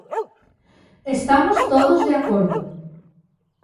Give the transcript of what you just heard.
Estamos todos de acordo.